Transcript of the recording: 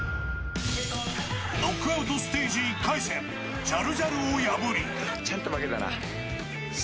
ノックアウトステージ１回戦ジャルジャルを破り。